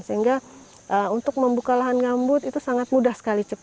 sehingga untuk membuka lahan gambut itu sangat mudah sekali